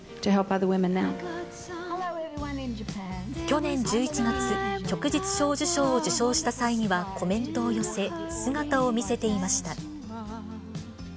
去年１１月、旭日小綬章を受章した際にはコメントを寄せ、姿を見せていました。